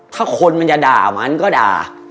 ถ้าคนมันจะด่ามันก็ด่า